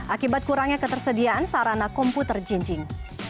akibat kurangnya ketersediaan sarana komputer jinjing